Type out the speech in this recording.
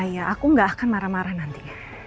iya iya aku gak akan marah marah nanti